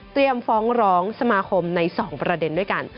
ฟ้องร้องสมาคมใน๒ประเด็นด้วยกัน